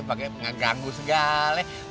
pake ngeganggu segalanya